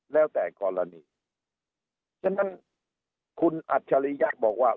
แล้วแต่กรณีฉะนั้นคุณอัจฉริยะบอกว่า